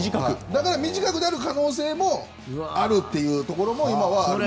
だから短くなる可能性もあるというのも今はあると。